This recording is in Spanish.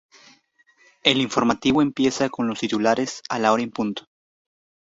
El informativo empieza con los titulares a la hora en punto.